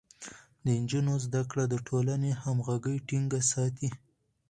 د نجونو زده کړه د ټولنې همغږي ټينګه ساتي.